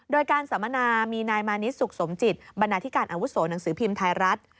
โดยการสัมมนามีนายมานิดสุขสมจิตบรรณาธิการอาวุโสหนังสือพิมพ์ไทยรัฐ